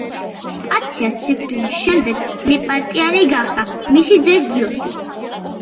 კაციას სიკვდილის შემდეგ ლიპარტიანი გახდა მისი ძე გიორგი.